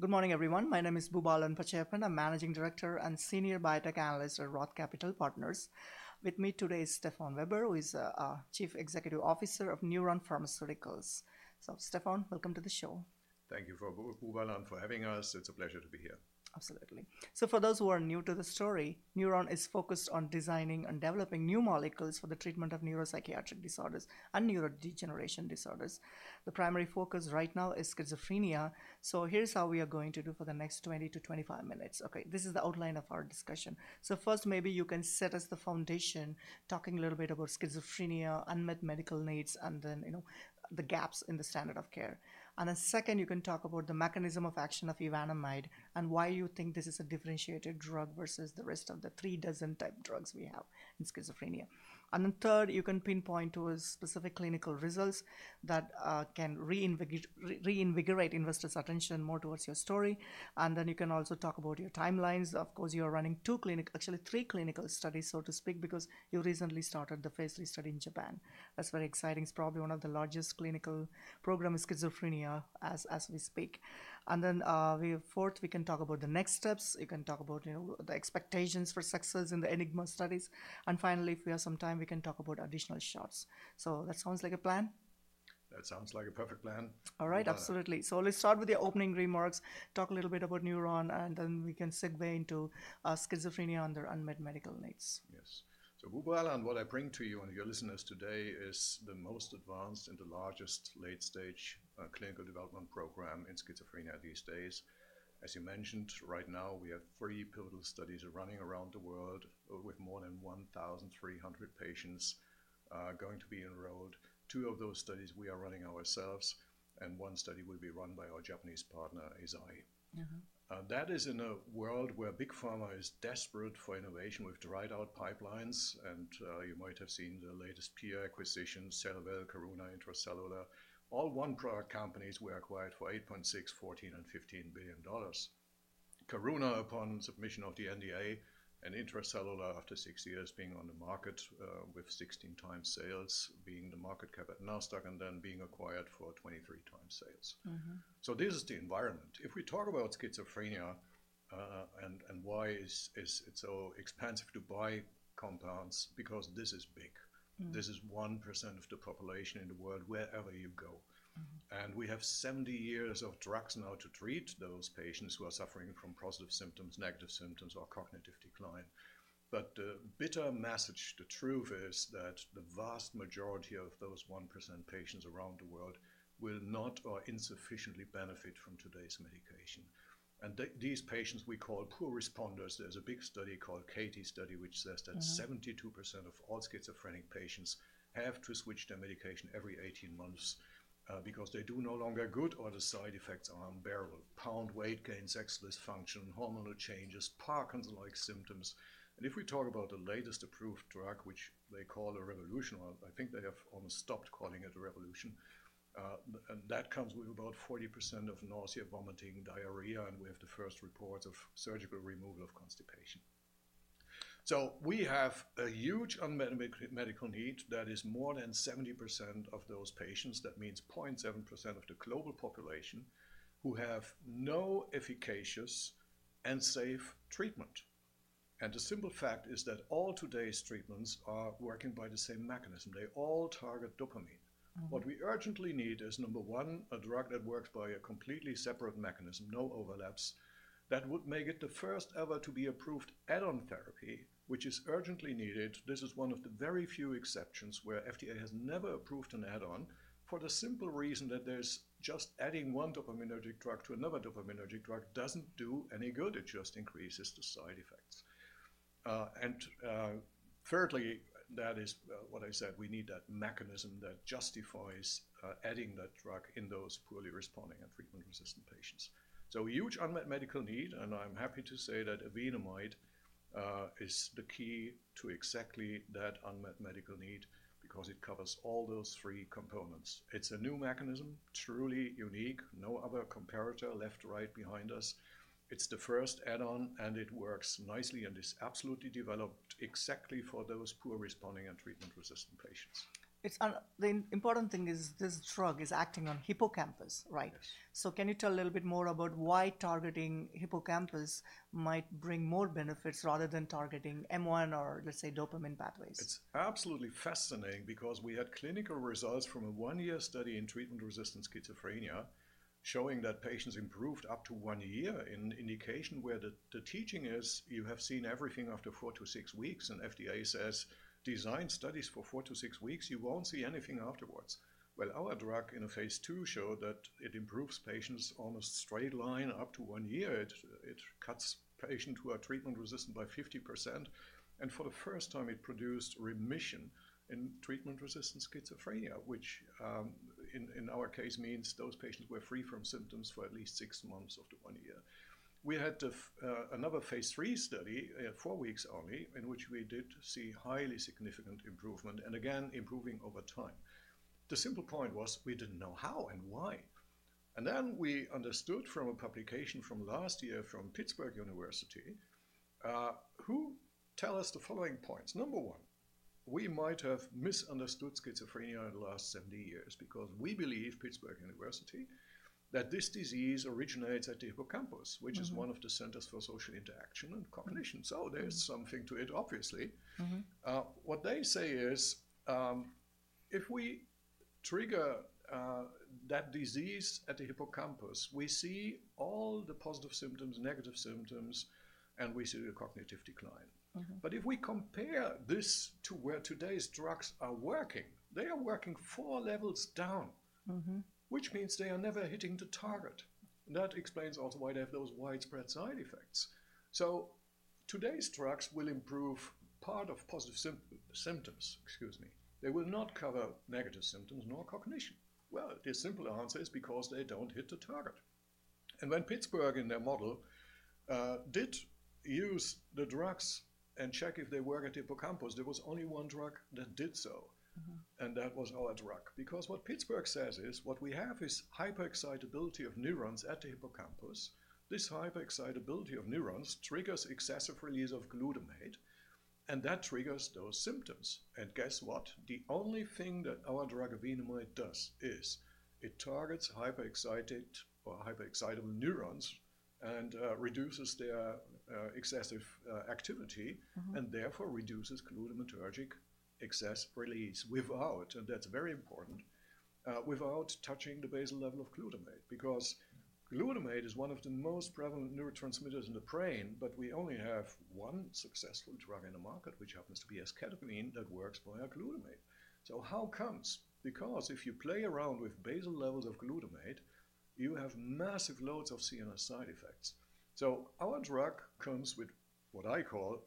Good morning, everyone. My name is Boobalan Pachaiyappan. I'm Managing Director and Senior Biotech Analyst at Roth Capital Partners. With me today is Stefan Weber, who is our Chief Executive Officer of Newron Pharmaceuticals. Stefan, welcome to the show. Thank you, Boobalan, for having us. It's a pleasure to be here. Absolutely. For those who are new to the story, Newron is focused on designing and developing new molecules for the treatment of neuropsychiatric disorders and neurodegeneration disorders. The primary focus right now is schizophrenia. Here's how we are going to do for the next 20-25 minutes. This is the outline of our discussion. First, maybe you can set us the foundation, talking a little bit about schizophrenia, unmet medical needs, and the gaps in the standard of care. Second, you can talk about the mechanism of action of evenamide and why you think this is a differentiated drug versus the rest of the three dozen type drugs we have in schizophrenia. Third, you can pinpoint towards specific clinical results that can reinvigorate investors' attention more towards your story. You can also talk about your timelines. Of course, you are running actually three clinical studies, so to speak, because you recently started the phase III study in Japan. That's very exciting. It's probably one of the largest clinical program in schizophrenia as we speak. Fourth, we can talk about the next steps. You can talk about the expectations for success in the ENIGMA studies. Finally, if we have some time, we can talk about additional shots. That sounds like a plan? That sounds like a perfect plan. All right. Absolutely. Let's start with your opening remarks, talk a little bit about Newron, and then we can segue into schizophrenia and their unmet medical needs. Yes. Boobalan, what I bring to you and your listeners today is the most advanced and the largest late-stage clinical development program in schizophrenia these days. As you mentioned, right now we have three pivotal studies running around the world with more than 1,300 patients going to be enrolled. Two of those studies we are running ourselves, and one study will be run by our Japanese partner, Eisai. That is in a world where big pharma is desperate for innovation with dried-out pipelines. You might have seen the latest peer acquisitions, Servier, Karuna, Intra-Cellular Therapies, all one-product companies were acquired for 8.6 billion, 14 billion, and EUR 15 billion. Karuna upon submission of the NDA and Intra-Cellular Therapies after six years being on the market with 16 times sales being the market cap at Nasdaq and then being acquired for 23 times sales. This is the environment. If we talk about schizophrenia and why it's so expensive to buy compounds, because this is big. This is 1% of the population in the world wherever you go. We have 70 years of drugs now to treat those patients who are suffering from positive symptoms, negative symptoms, or cognitive decline. The bitter message, the truth is that the vast majority of those 1% patients around the world will not or insufficiently benefit from today's medication. These patients we call poor responders. There's a big study called CATIE study, which says that 72% of all schizophrenic patients have to switch their medication every 18 months because they do no longer good or the side effects are unbearable. Pound weight gain, sex dysfunction, hormonal changes, Parkinson-like symptoms. If we talk about the latest approved drug, which they call the revolution or I think they have almost stopped calling it a revolution. That comes with about 40% of nausea, vomiting, diarrhea, and we have the first reports of surgical removal of constipation. We have a huge unmet medical need that is more than 70% of those patients. That means 0.7% of the global population who have no efficacious and safe treatment. The simple fact is that all today's treatments are working by the same mechanism. They all target dopamine. What we urgently need is, number one, a drug that works by a completely separate mechanism, no overlaps. That would make it the first ever to be approved add-on therapy, which is urgently needed. This is one of the very few exceptions where FDA has never approved an add-on for the simple reason that there's just adding one dopaminergic drug to another dopaminergic drug doesn't do any good. It just increases the side effects. Thirdly, that is what I said, we need that mechanism that justifies adding that drug in those poorly responding and treatment-resistant patients. Huge unmet medical need, and I'm happy to say that evenamide is the key to exactly that unmet medical need because it covers all those three components. It's a new mechanism, truly unique. No other comparator left or right behind us. It's the first add-on, and it works nicely and is absolutely developed exactly for those poor responding and treatment-resistant patients. The important thing is this drug is acting on hippocampus, right? Yes. Can you tell a little bit more about why targeting hippocampus might bring more benefits rather than targeting M1 or let's say dopamine pathways? It's absolutely fascinating because we had clinical results from a one-year study in treatment-resistant schizophrenia showing that patients improved up to one year in indication where the teaching is you have seen everything after four to six weeks, and FDA says design studies for four to six weeks. You won't see anything afterwards. Well, our drug in a phase II showed that it improves patients on a straight line up to one year. It cuts patient who are treatment-resistant by 50%, and for the first time it produced remission in treatment-resistant schizophrenia, which in our case means those patients were free from symptoms for at least six months up to one year. We had another phase III study, four weeks only, in which we did see highly significant improvement and again improving over time. The simple point was, we didn't know how and why. Then we understood from a publication from last year from University of Pittsburgh who tell us the following points. Number one. We might have misunderstood schizophrenia in the last 70 years because we believe, University of Pittsburgh, that this disease originates at the hippocampus, which is one of the centers for social interaction and cognition. There's something to it, obviously. What they say is, if we trigger that disease at the hippocampus, we see all the positive symptoms, negative symptoms, and we see the cognitive decline. If we compare this to where today's drugs are working, they are working four levels down. Which means they are never hitting the target. That explains also why they have those widespread side effects. Today's drugs will improve part of positive symptoms. They will not cover negative symptoms nor cognition. The simple answer is because they don't hit the target. When Pittsburgh, in their model, did use the drugs and check if they work at the hippocampus, there was only one drug that did so. That was our drug. What Pittsburgh says is, what we have is hyperexcitability of neurons at the hippocampus. This hyperexcitability of neurons triggers excessive release of glutamate, and that triggers those symptoms. Guess what? The only thing that our drug, evenamide, does is it targets hyperexcitable neurons and reduces their excessive activity. Therefore, reduces glutamatergic excess release without, and that's very important, touching the basal level of glutamate. Glutamate is one of the most prevalent neurotransmitters in the brain, but we only have one successful drug in the market, which happens to be esketamine, that works via glutamate. How comes? If you play around with basal levels of glutamate, you have massive loads of CNS side effects. Our drug comes with what I call,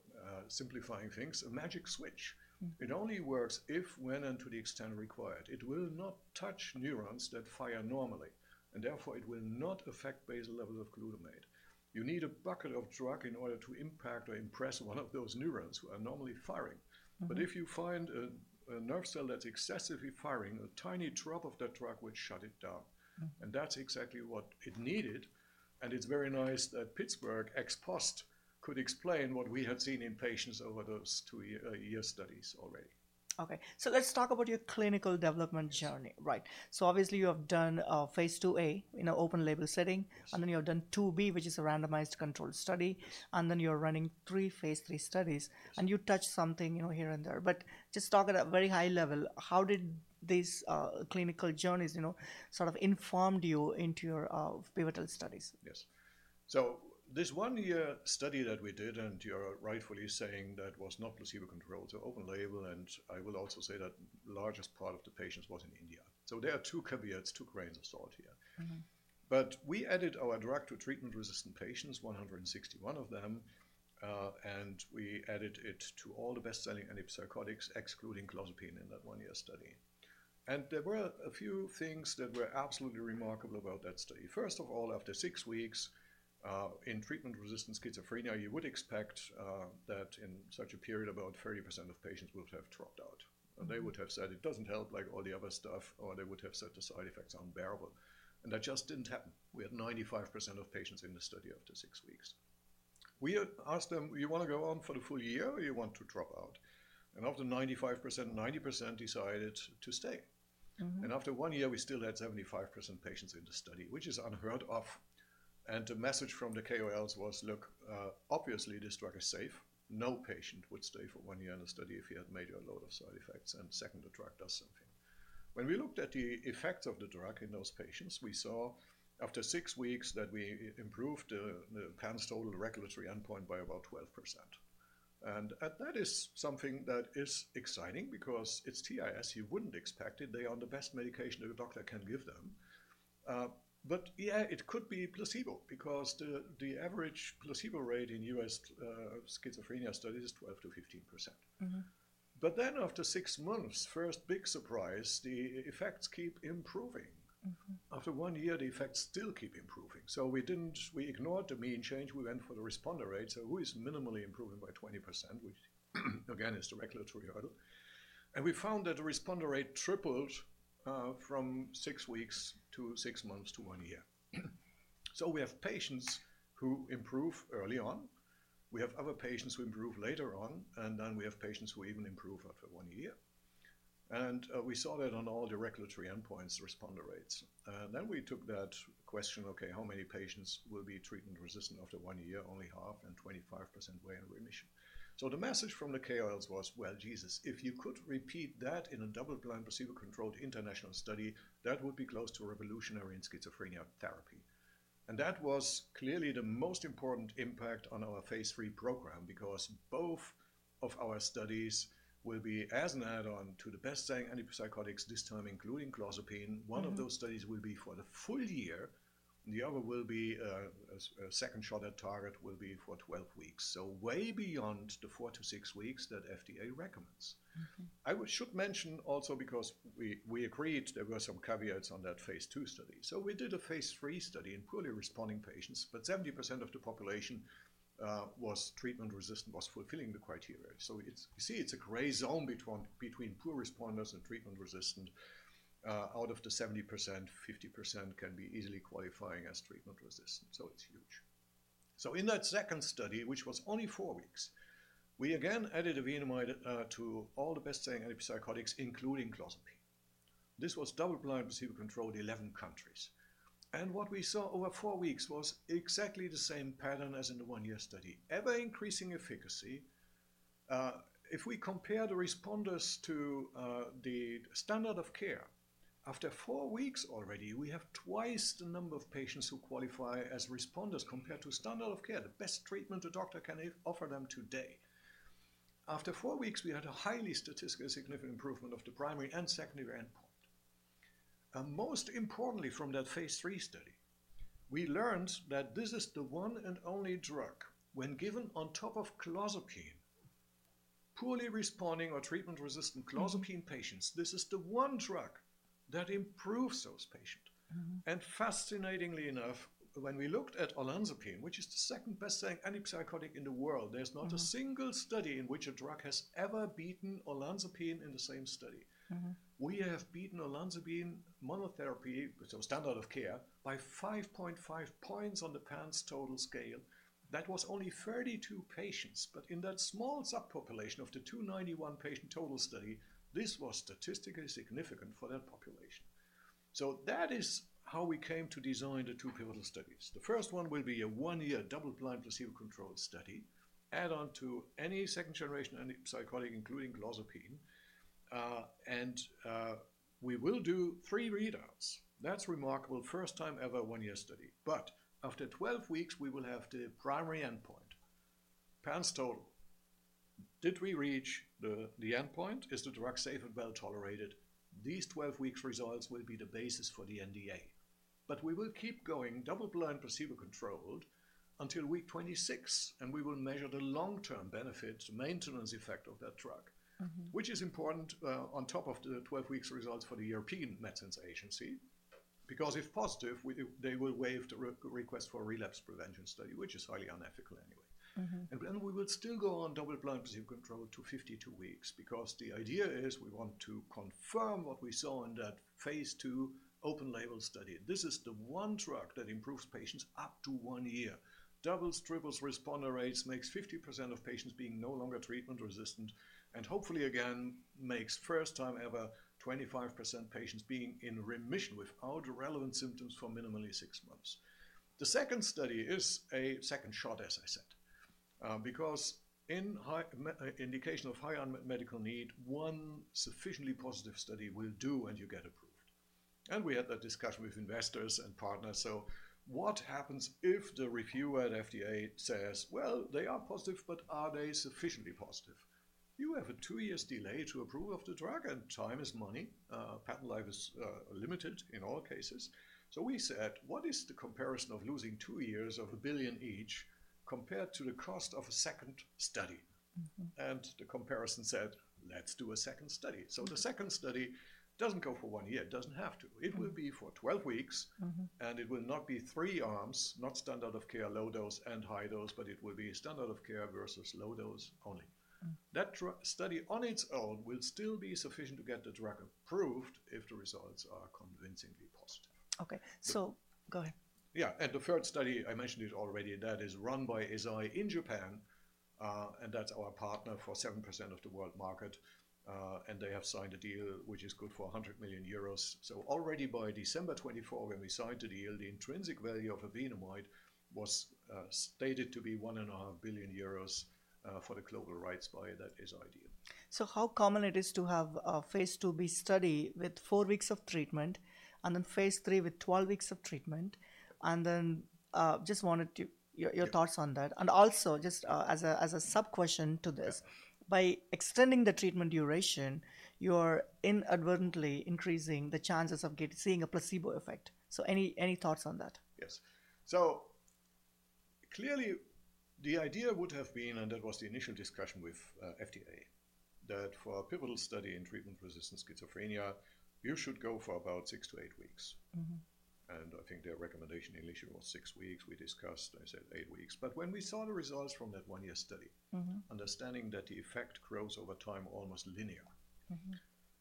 simplifying things, a magic switch. It only works if, when, and to the extent required. It will not touch neurons that fire normally, and therefore it will not affect basal level of glutamate. You need a bucket of drug in order to impact or impress one of those neurons who are normally firing. If you find a nerve cell that's excessively firing, a tiny drop of that drug would shut it down. That's exactly what it needed, and it's very nice that Pittsburgh, ex post, could explain what we had seen in patients over those two-year studies already. Let's talk about your clinical development journey. Obviously you have done phase II-A in an open-label setting. Yes. You have done II-B, which is a randomized controlled study, and then you're running three phase III studies. Yes. You touched something here and there, but just talk at a very high level, how did these clinical journeys sort of informed you into your pivotal studies? Yes. This one-year study that we did, you're rightfully saying that was not placebo-controlled, open-label, I will also say that largest part of the patients was in India. There are two caveats, two grains of salt here. We added our drug to treatment-resistant patients, 161 of them, we added it to all the best-selling antipsychotics, excluding clozapine, in that one-year study. There were a few things that were absolutely remarkable about that study. First of all, after six weeks, in treatment-resistant schizophrenia, you would expect that in such a period, about 30% of patients would have dropped out, they would have said, "It doesn't help like all the other stuff," or they would have said, "The side effects are unbearable." That just didn't happen. We had 95% of patients in the study after six weeks. We asked them, "You want to go on for the full year or you want to drop out?" Of the 95%, 90% decided to stay. After one year, we still had 75% of patients in the study, which is unheard of. The message from the KOLs was, look, obviously this drug is safe. No patient would stay for one year in a study if he had major load of side effects, second, the drug does something. When we looked at the effects of the drug in those patients, we saw after six weeks that we improved the PANSS Total regulatory endpoint by about 12%. That is something that is exciting because it's TI, as you wouldn't expect it. They are on the best medication that a doctor can give them. Yeah, it could be placebo because the average placebo rate in U.S. schizophrenia study is 12%-15%. After six months, first big surprise, the effects keep improving. After one year, the effects still keep improving. We ignored the mean change. We went for the responder rate. Who is minimally improving by 20%, which again, is the regulatory hurdle. We found that the responder rate tripled from six weeks to six months to one year. We have patients who improve early on, we have other patients who improve later on, then we have patients who even improve after one year. We saw that on all the regulatory endpoints responder rates. We took that question, okay, how many patients will be treatment-resistant after one year? Only half and 25% were in remission. The message from the KOLs was, well, Jesus, if you could repeat that in a double-blind, placebo-controlled international study, that would be close to revolutionary in schizophrenia therapy. That was clearly the most important impact on our phase III program, because both of our studies will be as an add-on to the best-selling antipsychotics, this time including clozapine. One of those studies will be for the full year, the other will be a second shot at target will be for 12 weeks. Way beyond the four to six weeks that FDA recommends. I should mention also because we agreed there were some caveats on that phase II study. We did a phase III study in poorly responding patients, but 70% of the population was treatment-resistant, was fulfilling the criteria. You see it's a gray zone between poor responders and treatment-resistant. Out of the 70%, 50% can be easily qualifying as treatment-resistant. It's huge. In that second study, which was only four weeks, we again added evenamide to all the best second-generation antipsychotics, including clozapine. This was double-blind, placebo-controlled, 11 countries. What we saw over four weeks was exactly the same pattern as in the one-year study, ever-increasing efficacy. If we compare the responders to the standard of care, after four weeks already, we have twice the number of patients who qualify as responders compared to standard of care, the best treatment a doctor can offer them today. After four weeks, we had a highly statistically significant improvement of the primary and secondary endpoint. Most importantly, from that phase III study, we learned that this is the one and only drug when given on top of clozapine, poorly responding or treatment-resistant clozapine patients, this is the one drug that improves those patients. Fascinatingly enough, when we looked at olanzapine, which is the second-best second-generation antipsychotic in the world, there's not a single study in which a drug has ever beaten olanzapine in the same study. We have beaten olanzapine monotherapy, so standard of care, by 5.5 points on the PANSS Total scale. That was only 32 patients, but in that small subpopulation of the 291-patient total study, this was statistically significant for that population. That is how we came to design the two pivotal studies. The first one will be a one-year double-blind, placebo-controlled study, add-on to any second-generation antipsychotic, including clozapine. We will do three readouts. That's remarkable. First time ever, one-year study. After 12 weeks, we will have the primary endpoint, PANSS Total. Did we reach the endpoint? Is the drug safe and well-tolerated? These 12 weeks results will be the basis for the NDA. We will keep going double-blind, placebo-controlled until week 26, and we will measure the long-term benefit, the maintenance effect of that drug. Which is important on top of the 12 weeks results for the European Medicines Agency, because if positive, they will waive the request for a relapse prevention study, which is highly unethical anyway. We will still go on double-blind, placebo-controlled to 52 weeks because the idea is we want to confirm what we saw in that phase II open label study. This is the one drug that improves patients up to one year. Doubles, triples responder rates, makes 50% of patients being no longer treatment-resistant, and hopefully again, makes first time ever, 25% patients being in remission without relevant symptoms for minimally six months. The second study is a second shot, as I said. In indication of high unmet medical need, one sufficiently positive study will do, and you get approved. We had that discussion with investors and partners. What happens if the reviewer at FDA says, "Well, they are positive, but are they sufficiently positive?" You have a two years delay to approve of the drug, and time is money. Patent life is limited in all cases. We said, what is the comparison of losing two years of 1 billion each compared to the cost of a second study? The comparison said, let's do a second study. The second study doesn't go for one year. It doesn't have to. It will be for 12 weeks. It will not be 3 arms, not standard of care, low dose, and high dose, but it will be standard of care versus low dose only. That study on its own will still be sufficient to get the drug approved if the results are convincingly positive. Okay. Go ahead. Yeah. The 3rd study, I mentioned it already, that is run by Eisai in Japan, that's our partner for 7% of the world market. They have signed a deal which is good for 100 million euros. Already by December 2024, when we signed the deal, the intrinsic value of evenamide was stated to be 1.5 billion euros for the global rights by that Eisai deal. How common it is to have a phase II-B study with four weeks of treatment, then phase III with 12 weeks of treatment. Your thoughts on that. Also, just as a sub-question to this. Yeah. By extending the treatment duration, you're inadvertently increasing the chances of seeing a placebo effect. Any thoughts on that? Yes. Clearly the idea would have been, and that was the initial discussion with FDA, that for a pivotal study in treatment-resistant schizophrenia, you should go for about six to eight weeks. I think their recommendation initially was six weeks. We discussed, I said eight weeks. When we saw the results from that one-year study understanding that the effect grows over time almost linear.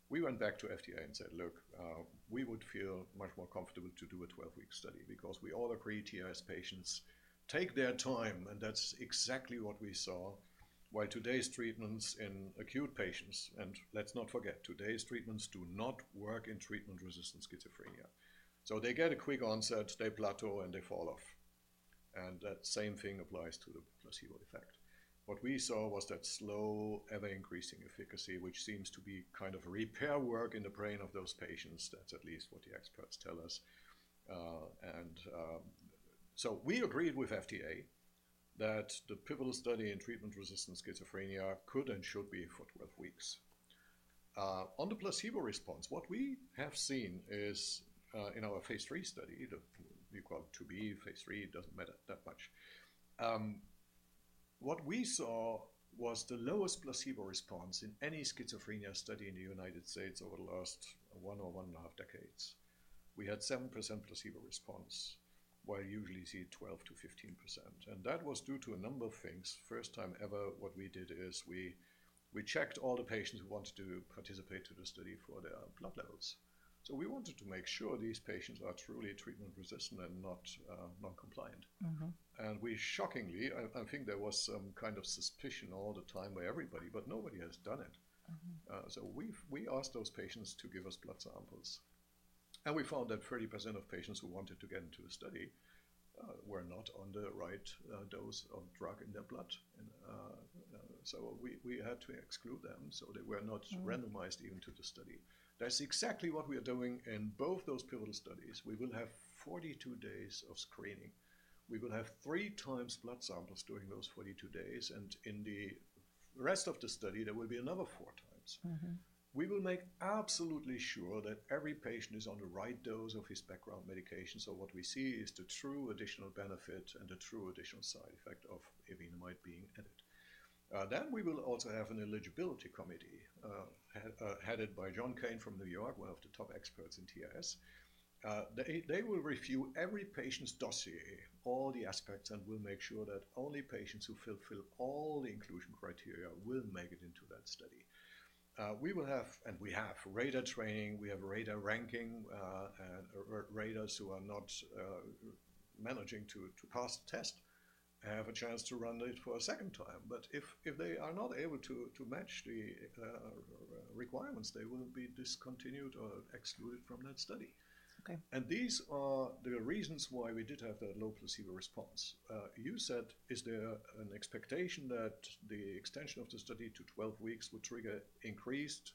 We went back to FDA and said, "Look, we would feel much more comfortable to do a 12-week study because we all agree TRS patients take their time." That's exactly what we saw while today's treatments in acute patients, and let's not forget, today's treatments do not work in Treatment-Resistant Schizophrenia. They get a quick onset, they plateau, and they fall off. That same thing applies to the placebo effect. What we saw was that slow ever-increasing efficacy, which seems to be kind of repair work in the brain of those patients. That's at least what the experts tell us. We agreed with FDA that the pivotal study in Treatment-Resistant Schizophrenia could and should be for 12 weeks. On the placebo response, what we have seen is in our phase III study, we call it phase II-B, phase III, it doesn't matter that much. What we saw was the lowest placebo response in any schizophrenia study in the U.S. over the last one or one and a half decades. We had 7% placebo response, while you usually see 12%-15%. That was due to a number of things. First time ever, what we did is We checked all the patients who wanted to participate in the study for their blood levels. We wanted to make sure these patients are truly treatment-resistant and not non-compliant. We shockingly, I think there was some kind of suspicion all the time by everybody, but nobody has done it. We asked those patients to give us blood samples, we found that 30% of patients who wanted to get into the study were not on the right dose of drug in their blood. We had to exclude them so they were not randomized even to the study. That's exactly what we are doing in both those pivotal studies. We will have 42 days of screening. We will have three times blood samples during those 42 days, and in the rest of the study, there will be another four times. We will make absolutely sure that every patient is on the right dose of his background medication, so what we see is the true additional benefit and the true additional side effect of evenamide being added. We will also have an eligibility committee, headed by John Kane from New York, one of the top experts in TRS. They will review every patient's dossier, all the aspects, and will make sure that only patients who fulfill all the inclusion criteria will make it into that study. We will have rater training. We have rater ranking, and raters who are not managing to pass the test have a chance to run it for a second time. If they are not able to match the requirements, they will be discontinued or excluded from that study. Okay. These are the reasons why we did have that low placebo response. You said, "Is there an expectation that the extension of the study to 12 weeks will trigger increased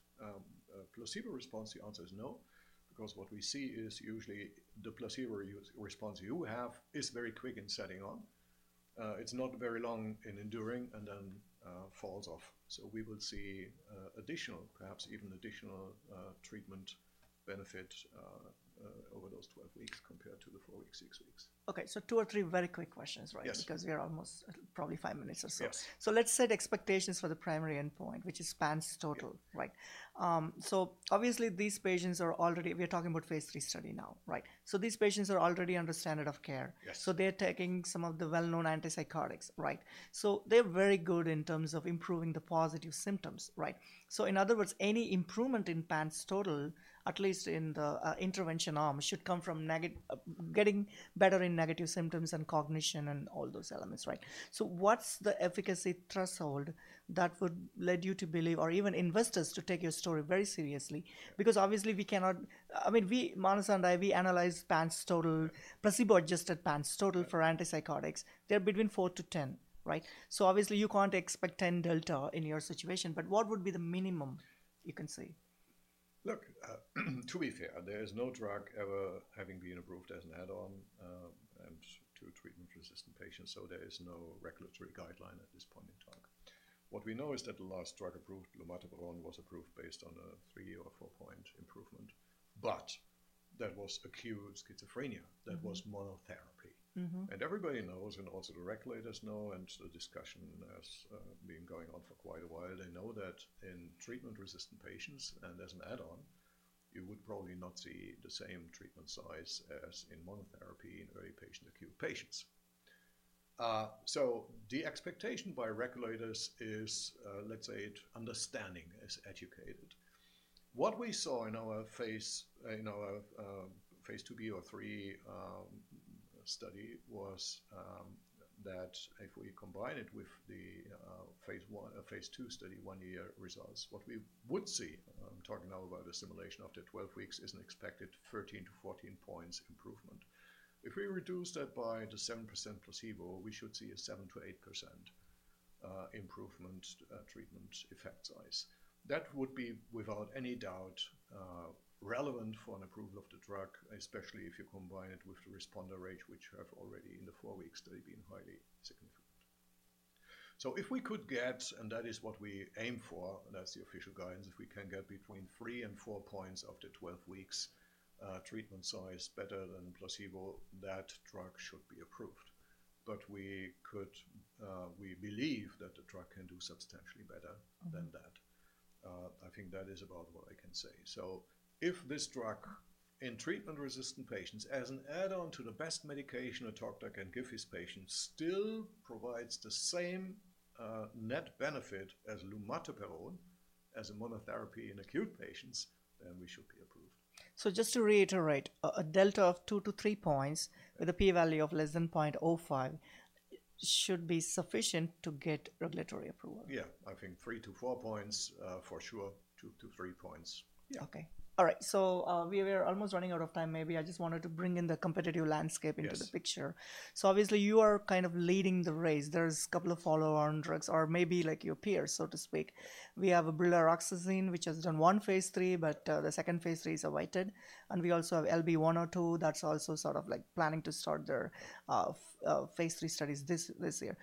placebo response?" The answer is no, because what we see is usually the placebo response you have is very quick in setting on. It's not very long in enduring and then falls off. We would see perhaps even additional treatment benefit over those 12 weeks compared to the four weeks, six weeks. Okay, two or three very quick questions, right? Yes. We are almost probably five minutes or so. Yes. Let's set expectations for the primary endpoint, which is PANSS Total. Yeah. Right. Obviously, we're talking about phase III study now, right? These patients are already under standard of care. Yes. They're taking some of the well-known antipsychotics, right? They're very good in terms of improving the positive symptoms, right? In other words, any improvement in PANSS Total, at least in the intervention arm, should come from getting better in negative symptoms and cognition and all those elements, right? What's the efficacy threshold that would lead you to believe or even investors to take your story very seriously? Because obviously we cannot Manas and I, we analyzed placebo-adjusted PANSS Total for antipsychotics. They're between 4-10, right? Obviously, you can't expect 10 delta in your situation, but what would be the minimum you can say? Look, to be fair, there is no drug ever having been approved as an add-on and to treatment-resistant patients, there is no regulatory guideline at this point in time. What we know is that the last drug approved, lumateperone, was approved based on a three or four-point improvement. That was acute schizophrenia. That was monotherapy. Everybody knows, also the regulators know, the discussion has been going on for quite a while. They know that in treatment-resistant patients and as an add-on, you would probably not see the same treatment size as in monotherapy in very acute patients. The expectation by regulators is, let's say, understanding is educated. What we saw in our phase II-B or III study was that if we combine it with the phase II study one-year results, what we would see, talking now about the simulation after 12 weeks, is an expected 13 to 14 points improvement. If we reduce that by the 7% placebo, we should see a 7%-8% improvement treatment effect size. That would be without any doubt relevant for an approval of the drug, especially if you combine it with the responder rate, which have already in the four weeks study been highly significant. If we could get, and that is what we aim for, that's the official guidance. If we can get between three and four points after 12 weeks treatment size better than placebo, that drug should be approved. We believe that the drug can do substantially better than that. I think that is about what I can say. If this drug in treatment-resistant patients as an add-on to the best medication a top doctor can give his patient still provides the same net benefit as lumateperone as a monotherapy in acute patients, then we should be approved. Just to reiterate, a delta of 2-3 points with a P value of less than 0.05 should be sufficient to get regulatory approval. Yeah. I think 3-4 points, for sure 2-3 points. Yeah. Okay. All right. We are almost running out of time maybe. I just wanted to bring in the competitive landscape into the picture. Yes. Obviously you are kind of leading the race. There's a couple of follow-on drugs or maybe like your peers, so to speak. We have brexpiprazole which has done one phase III, but the second phase III is awaited, and we also have LB-102 that's also sort of like planning to start their phase III studies this year.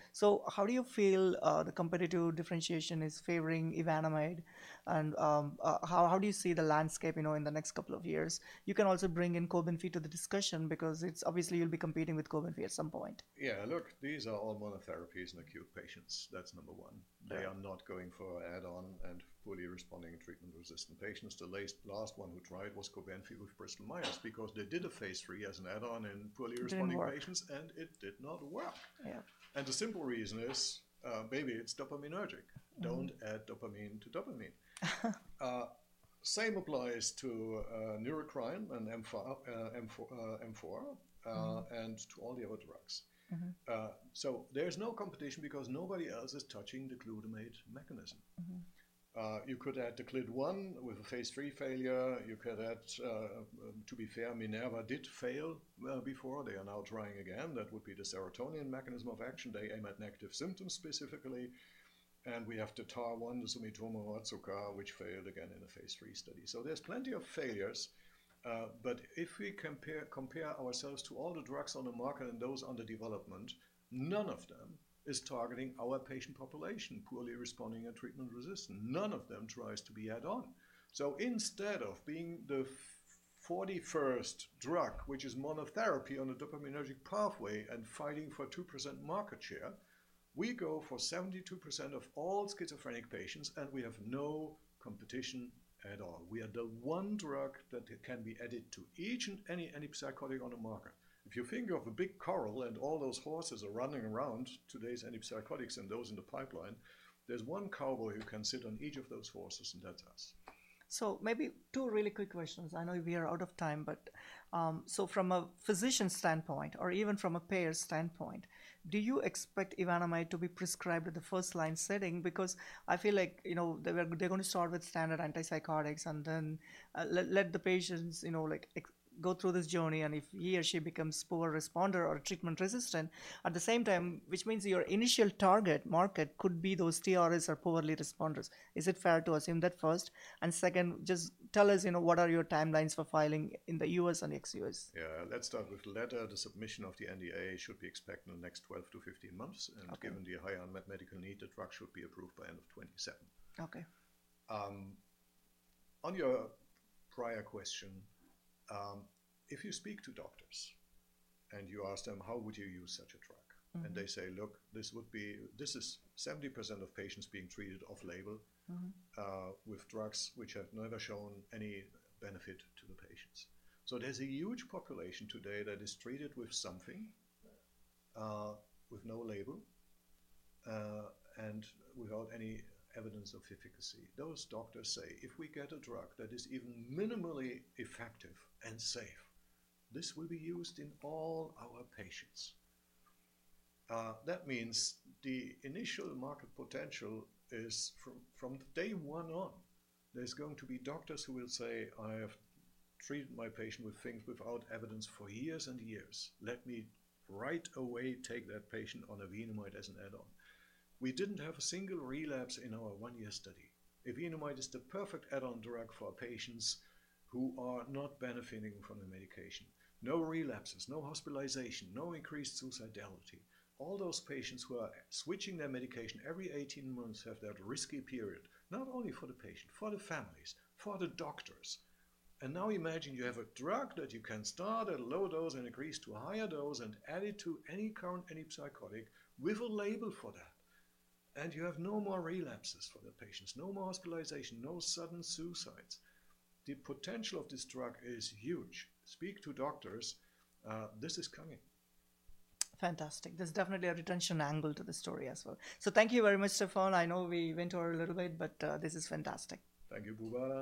How do you feel the competitive differentiation is favoring evenamide, and how do you see the landscape in the next couple of years? You can also bring in COBENFY to the discussion because obviously you'll be competing with COBENFY at some point. Yeah, look, these are all monotherapies in acute patients. That's number one. Yeah. They are not going for add-on and fully responding in treatment-resistant patients. The last one who tried was COBENFY with Bristol Myers Squibb because they did a phase III as an add-on in poorly responding patients. Didn't work. It did not work. Yeah. The simple reason is maybe it's dopaminergic. Don't add dopamine to dopamine. Same applies to Neurocrine and M4, and to all the other drugs. There is no competition because nobody else is touching the glutamate mechanism. You could add to GLYT-1 with a phase III failure. You could add, to be fair, Minerva did fail before. They are now trying again. That would be the serotonin mechanism of action. They aim at negative symptoms specifically. We have the TAAR1, the Sumitomo Otsuka, which failed again in a phase III study. There's plenty of failures. If we compare ourselves to all the drugs on the market and those under development, none of them is targeting our patient population, poorly responding and treatment-resistant. None of them tries to be add-on. Instead of being the 41st drug, which is monotherapy on a dopaminergic pathway and fighting for 2% market share, we go for 72% of all schizophrenic patients, and we have no competition at all. We are the one drug that can be added to each and any antipsychotic on the market. If you think of a big corral and all those horses are running around, today's antipsychotics and those in the pipeline, there's one cowboy who can sit on each of those horses, and that's us. Maybe two really quick questions. I know we are out of time. From a physician standpoint, or even from a payer standpoint, do you expect evenamide to be prescribed at the first-line setting? Because I feel like they're going to start with standard antipsychotics and then let the patients go through this journey, and if he or she becomes poor responder or treatment-resistant, at the same time, which means your initial target market could be those TRS or poorly responders. Is it fair to assume that first? Second, just tell us what are your timelines for filing in the U.S. and ex-U.S.? Let's start with the latter. The submission of the NDA should be expected in the next 12 to 15 months. Okay. Given the high unmet medical need, the drug should be approved by end of 2027. Okay. On your prior question, if you speak to doctors and you ask them, “How would you use such a drug?” They say, "Look, this is 70% of patients being treated off-label- with drugs which have never shown any benefit to the patients. There's a huge population today that is treated with something with no label, and without any evidence of efficacy. Those doctors say, "If we get a drug that is even minimally effective and safe, this will be used in all our patients." That means the initial market potential is from day one on, there's going to be doctors who will say, “I have treated my patient with things without evidence for years and years. Let me right away take that patient on evenamide as an add-on.” We didn't have a single relapse in our one-year study. evenamide is the perfect add-on drug for patients who are not benefiting from the medication. No relapses, no hospitalization, no increased suicidality. All those patients who are switching their medication every 18 months have that risky period, not only for the patient, for the families, for the doctors. Now imagine you have a drug that you can start at a low dose and increase to a higher dose and add it to any current antipsychotic with a label for that, and you have no more relapses for the patients, no more hospitalization, no sudden suicides. The potential of this drug is huge. Speak to doctors. This is coming. Fantastic. There's definitely a retention angle to the story as well. Thank you very much, Stefan. I know we went over a little bit, this is fantastic. Thank you, Boobalan.